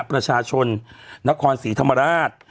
ประชาชนนครศรีธรรมราช